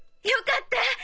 よかった！